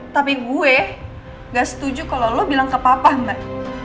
tapi gue gak setuju kalau lo bilang ke papa mbak